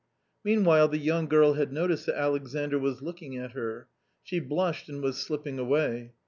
Meanwhile the young girl had noticed that Alexandr was looking at her ; she blushed and was stepping away.